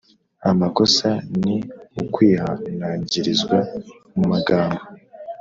amakosa ni ukwihanangirizwa mu magambo